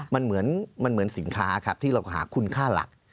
มันเหมือนสินค้าครับที่เราหาคุณค่าหลัก